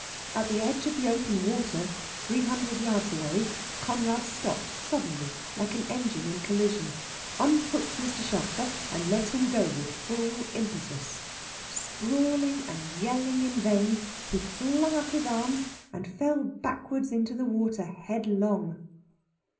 At the edge of the open water, three hundred yards away, Conrad stopped suddenly, like an engine in collision, unhooked Mr. Shelfer, and let him go with full impetus. Sprawling and yelling in vain, he flung up his arms, and fell backward into the water headlong.